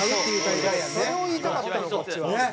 それを言いたかったのこっちは。